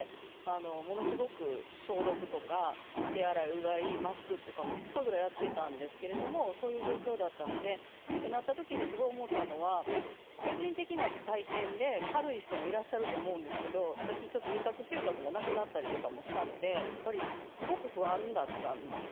ものすごく消毒とか手洗い、うがい、マスクとかしつこいくらいやっていてそういう状況だったので、なったときにすごく思ったのは、個人的な体験で軽い人もいらっしゃると思いますけど、私、味覚・嗅覚もなくなったりしたのですごく不安だったんですね。